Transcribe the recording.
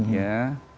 kita juga menjaga